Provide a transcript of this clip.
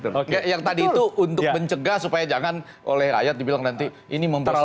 oke yang tadi itu untuk mencegah supaya jangan oleh rakyat dibilang nanti ini mempersiapkan